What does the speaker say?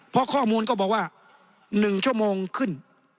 เพราะข้อมูลก็บอกว่า๑ชั่วโมงขึ้น